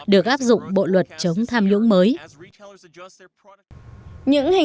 được áp dụng bộ luật chống tham nhũng mới